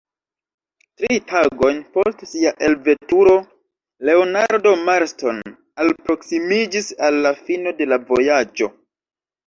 Tri tagojn post sia elveturo Leonardo Marston alproksimiĝis al la fino de la vojaĝo.